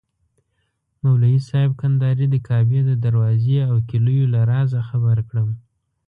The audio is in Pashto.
مولوي صاحب کندهاري د کعبې د دروازې او کیلیو له رازه خبر کړم.